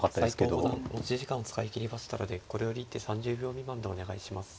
斎藤五段持ち時間を使い切りましたのでこれより一手３０秒未満でお願いします。